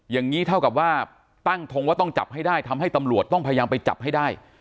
อย่างนี้เท่ากับว่าตั้งทงว่าต้องจับให้ได้ทำให้ตำรวจต้องพยายามไปจับให้ได้